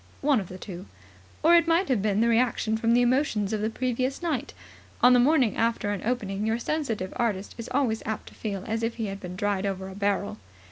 One of the two. Or it might have been the reaction from the emotions of the previous night. On the morning after an opening your sensitive artist is always apt to feel as if he had been dried over a barrel.